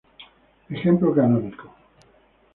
Ejemplo canónico.